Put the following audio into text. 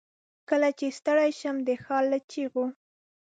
کله چې ستړی شم، دښارله چیغو